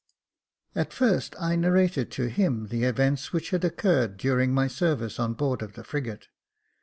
At first I narrated to him the events which had occurred during my service on board of the frigate.